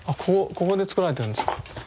ここで作られてるんですか？